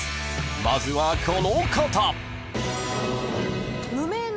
［まずはこの方］